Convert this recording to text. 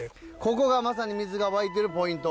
ここがまさに水が湧いてるポイント。